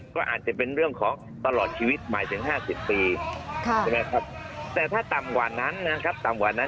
ก็อาจจะเป็นเรื่องของตลอดชีวิตมาถึง๕๐ปีแต่ถ้าต่ำกว่านั้น